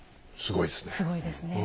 すごいですねえ。